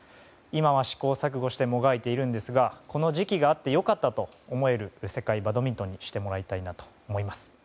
今は試行錯誤してもがいているんですがこの時期があって良かったと思える世界バドミントンにしてもらいたいと思います。